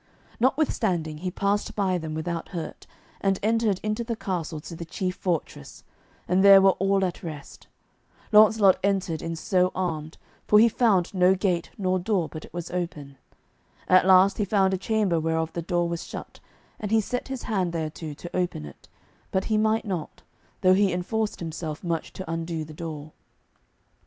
Notwithstanding he passed by them without hurt, and entered into the castle to the chief fortress, and there were all at rest. Launcelot entered in so armed, for he found no gate nor door but it was open. At last he found a chamber whereof the door was shut, and he set his hand thereto to open it, but he might not, though he enforced himself much to undo the door.